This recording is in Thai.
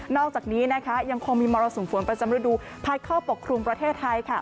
อกจากนี้นะคะยังคงมีมรสุมฝนประจำฤดูพัดเข้าปกครุมประเทศไทยค่ะ